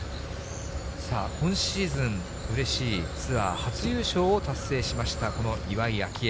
さあ、今シーズン、うれしいツアー初優勝を達成しました、この岩井明愛。